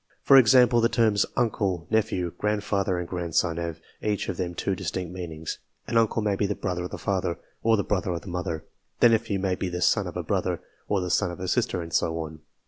For example, the terms "uncle," "nephew," "grand father," and " grandson," have each of them two distinct meanings. An uncle may be the brother of the father, or the brother of the mother ; the nephew may be the son of a brother, or the son of a sister ; and so on.